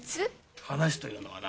話というのはな。